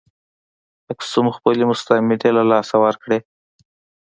اکسوم خپلې مستعمرې له لاسه ورکړې.